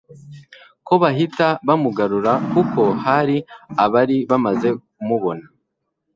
ko bahita bamugarura kuko hari abari bamaze kumubona